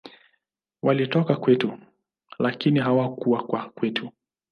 Walitoka kwetu, lakini hawakuwa wa kwetu.